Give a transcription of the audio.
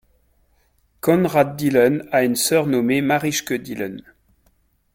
Koenraad Dillen a une sœur nommée Marijke Dillen.